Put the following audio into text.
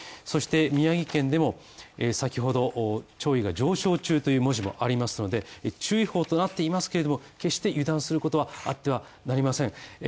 そして、宮城県でも、先ほど潮位が上昇中という文字もありますので注意報となっていますけれども、決して油断することはあってはなりません